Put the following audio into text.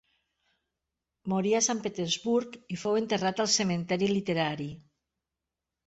Morí a Sant Petersburg i fou enterrat al Cementiri Literari.